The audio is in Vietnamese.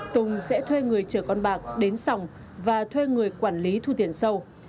tùng sẽ thuê người chở con bạc đến sòng và thuê người quản lý thu tiền sâu